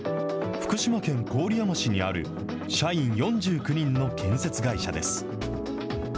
福島県郡山市にある、社員４９人の建設会社です。